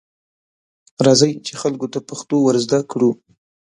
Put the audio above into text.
راځئ، چې خلکو ته پښتو ورزده کړو.